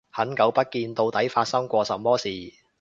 很久不見，到底發生過什麼事